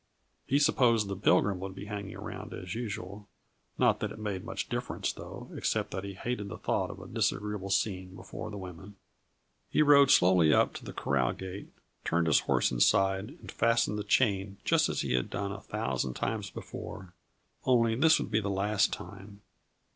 He supposed the Pilgrim would be hanging around, as usual not that it made much difference, though, except that he hated the thought of a disagreeable scene before the women. He rode slowly up to the corral gate, turned his horse inside and fastened the chain just as he had done a thousand times before only this would be the last time.